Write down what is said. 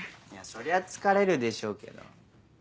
そりゃ疲れるでしょうけど。